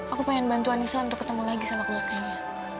aku pengen bantu anissa untuk ketemu lagi sama keluarganya